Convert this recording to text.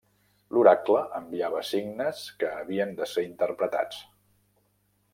L'oracle enviava signes que havien de ser interpretats.